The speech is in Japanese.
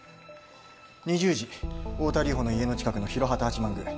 ２０時太田梨歩の家の近くの廣幡八幡宮